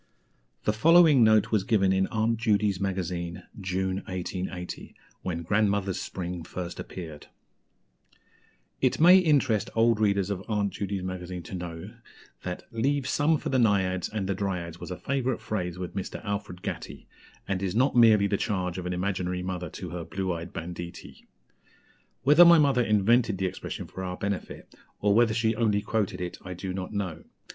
'" The following note was given in Aunt Judy's Magazine, June 1880, when "Grandmother's Spring" first appeared: "It may interest old readers of Aunt Judy's Magazine to know that 'Leave some for the Naïads and the Dryads' was a favourite phrase with Mr. Alfred Gatty, and is not merely the charge of an imaginary mother to her 'blue eyed banditti.' Whether my mother invented the expression for our benefit, or whether she only quoted it, I do not know.